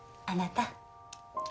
あなた。